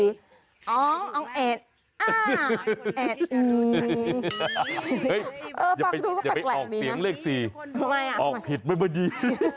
อิฮะมึงก็แปลกแหว่นดูนะถ้าว่าอย่าไปออกเตี๋ยงเลขสี่ออกผิดไม่มาดี